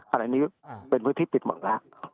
อะไรนี้เป็นพื้นที่ปิดหมดแล้ว